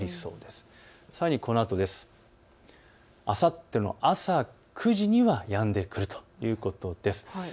あさっての朝９時にはやんでくるということです。